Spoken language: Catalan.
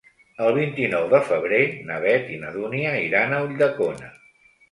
El vint-i-nou de febrer na Beth i na Dúnia iran a Ulldecona.